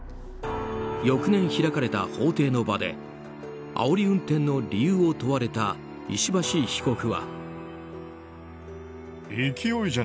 翌年、開かれた法廷の場であおり運転の理由を問われた石橋被告は。